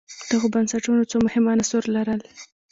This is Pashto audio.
دغو بنسټونو څو مهم عناصر لرل